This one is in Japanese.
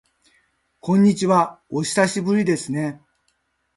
こんにちは、お久しぶりですね。